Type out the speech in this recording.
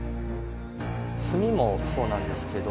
墨もそうなんですけど、